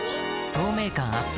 透明感アップ